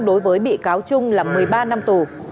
đối với bị cáo trung là một mươi ba năm tù